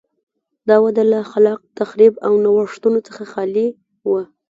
دا وده له خلاق تخریب او نوښتونو څخه خالي وه.